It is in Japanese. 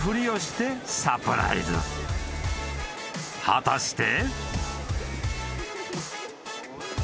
［果たして］